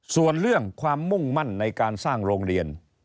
ส่วนเรื่องความมุ่งมั่นในการสร้างโรงเรียน